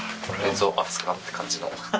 これぞ熱燗って感じの。